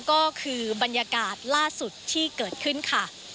ก็คือบรรยากาศล่าสุดที่เกิดขึ้นค่ะ